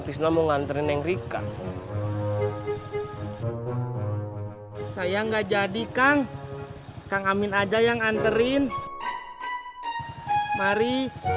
amin mau nganterin neng rika saya nggak jadi kang kang amin aja yang anterin mari